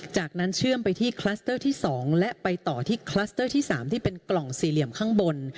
จากนั้นเชื่อมไปที่คลัสเตอร์ที่๒และไปต่อที่คลัสเตอร์ที่๓ที่เป็นกล่องสี่เหลี่ยมข้างบน